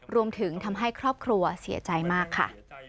รวมถึงทำให้ครอบครัวเสียใจมากค่ะ